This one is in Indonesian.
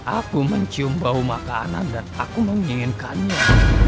aku mencium bau makanan dan aku menginginkannya